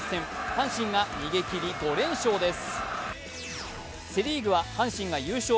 阪神が逃げきり５連勝です。